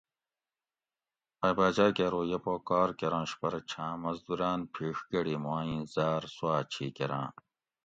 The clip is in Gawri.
ائی باچاۤ کہ ارو یہ پا کار کۤرنش پرہ چھاۤں مزدوراۤن پِھیڛ گۤڑی ماں اِیں زاۤر سُوآۤ چھی کۤراۤں